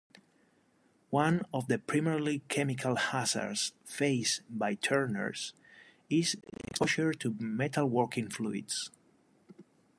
One of the primary chemical hazards faced by turners is exposure to metalworking fluids.